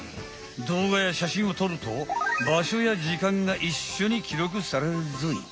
どうがや写真を撮ると場所や時間がいっしょにきろくされるぞい。